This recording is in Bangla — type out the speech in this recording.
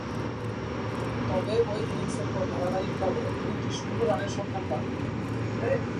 তবে, ঐ ইনিংসের পর ধারাবাহিকভাবে তিনটি শূন্য রানের সন্ধান পান।